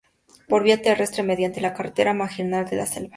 Por vía terrestre: mediante la Carretera Marginal de la Selva.